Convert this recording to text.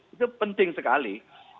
itu penting sekali